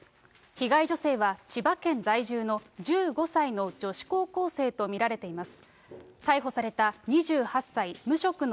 被害女性は千葉県在住の１５歳の女子高校生と見られています。